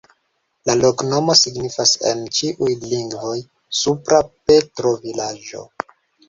La loknomo signifas en ĉiuj lingvoj: supra-Petro-vilaĝo.